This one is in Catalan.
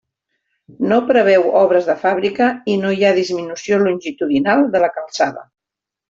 No preveu obres de fàbrica i no hi ha disminució longitudinal de la calçada.